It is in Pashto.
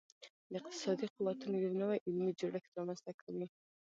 د اقتصادي قوتونو یو نوی علمي جوړښت رامنځته کړي